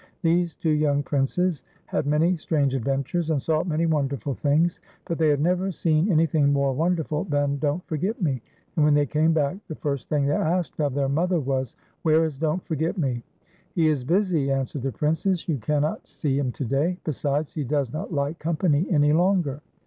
These two young Princes had many strange adventures, and saw many wonderful things, but they had never seen anything more wonderful than Don"t F"orget Me, and when they came back, the fir.st thing they asked of their mother was :" Where is Don't Forget Me .'" "He is busy," answered the Princess, "you cannot 192 FAIRIE AND BROWNIE. see him to day; besides he does not like company any longer."